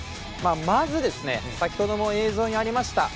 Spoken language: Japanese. まず、先ほどの映像にありました